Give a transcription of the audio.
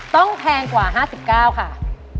ต้องแพงกว่า๕๙บาทค่ะ